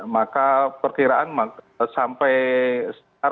maka perkiraan sampai setahun